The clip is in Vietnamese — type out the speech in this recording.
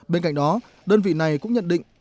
bên cạnh đó đơn vị này cũng nhận định